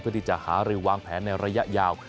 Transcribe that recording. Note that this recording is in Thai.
เพื่อที่จะหารือวางแผนในระยะยาว